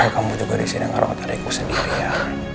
dan kamu juga disini ngerawat adikku sendiri ya